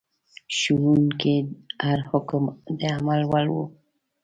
د ښوونکي هر حکم د عمل وړ و.